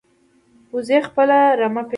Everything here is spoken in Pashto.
وزې خپل رمه پېژني